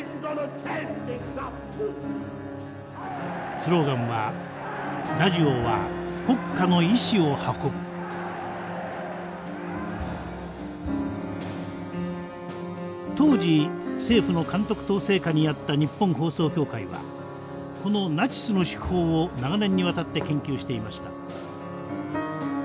スローガンは当時政府の監督統制下にあった日本放送協会はこのナチスの手法を長年にわたって研究していました。